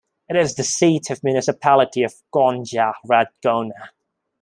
It is the seat of the Municipality of Gornja Radgona.